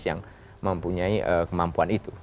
yang mempunyai kemampuan itu